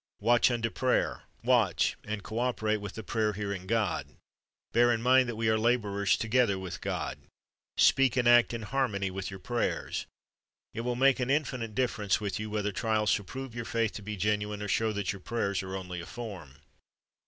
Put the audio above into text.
Watch unto prayer. Watch, and co operate with the prayer hearing God. Bear in mind that "we are laborers together with God."^ Speak and act in harmony with your prayers. It will make an infinite difference with you whether trial shall prove your faith to be genuine, or show that your prayers are only a form.